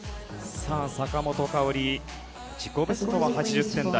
坂本花織は自己ベストは８０点台。